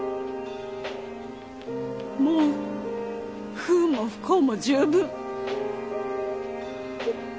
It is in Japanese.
もう不運も不幸も十分。